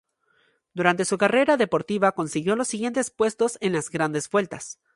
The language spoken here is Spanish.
Durante su carrera deportiva consiguió los siguientes puestos en las Grandes Vueltas.